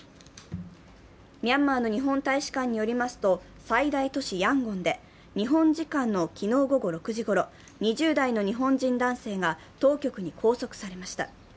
ミャンマーの日本大使館によりますと、最大都市ヤンゴンで日本時間の昨日午後６時ごろ、２０代の日本人男性が当局に拘束されました。